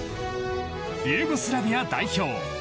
ユーゴスラビア代表。